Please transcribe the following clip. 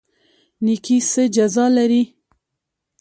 نیکي څه جزا لري؟